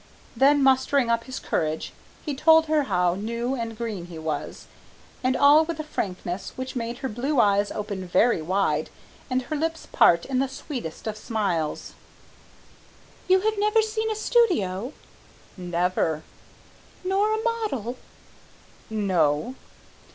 Then mustering up his courage, he told her how new and green he was, and all with a frankness which made her blue eyes open very wide and her lips part in the sweetest of smiles. "You have never seen a studio?" "Never." "Nor a model?" "No."